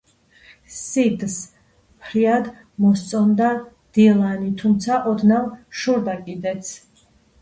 სიდს ფრიად მოსწონდა დილანი, თუმცა, ოდნავ შურდა კიდეც.